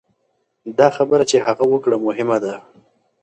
دا خبره چې هغه وکړه مهمه ده.